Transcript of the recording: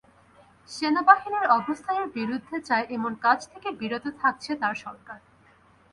সেনাবাহিনীর অবস্থানের বিরুদ্ধে যায় এমন কাজ থেকে বিরত থাকছে তাঁর সরকার।